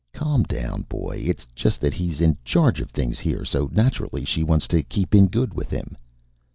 "Calm down, boy. It's just that he's in charge of things here so naturally she wants to keep in good with him."